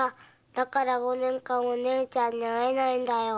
だから五年間は姉ちゃんに会えないんだ。